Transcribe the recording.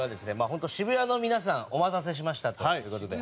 本当渋谷の皆さんお待たせしましたという事で。